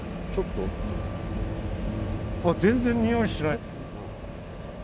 全然においしない。